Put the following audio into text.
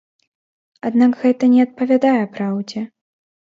Аднак гэта не адпавядае праўдзе.